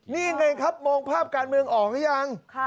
นี่ไงครับมองภาพการเมืองออกหรือยัง